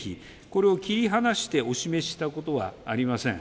これを切り離してお示ししたことはありません。